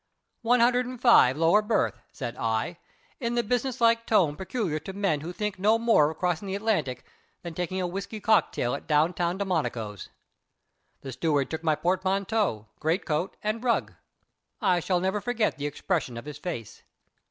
"One hundred and five, lower berth," said I, in the businesslike tone peculiar to men who think no more of crossing the Atlantic than taking a whiskey cocktail at down town Delmonico's. The steward took my portmanteau, greatcoat, and rug. I shall never forget the expression of his face.